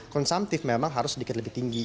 konsumtif memang harus sedikit lebih tinggi